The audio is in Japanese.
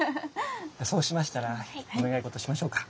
そうしましたらお願い事しましょうか。